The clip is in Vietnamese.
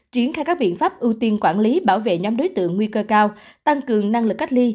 triển khai các biện pháp ưu tiên quản lý bảo vệ nhóm đối tượng nguy cơ cao tăng cường năng lực cách ly